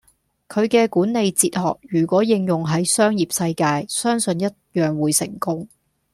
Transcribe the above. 佢嘅管理哲學如果應用係商業世界，相信一樣會成功。